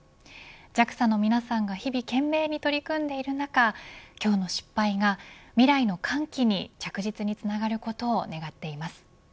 ＪＡＸＡの皆さんが日々懸命に取り組んでいる中今日の失敗が未来の歓喜に着実につながることを願っています。